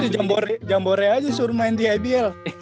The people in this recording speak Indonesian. ya udah jambore aja suruh main di ibl